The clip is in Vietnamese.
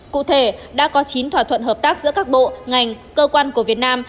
cụ thể đã có chín thỏa thuận hợp tác giữa các bộ ngành cơ quan của việt nam